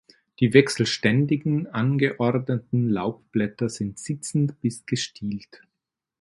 Die wechselständigen angeordneten Laubblätter sind sitzend bis gestielt.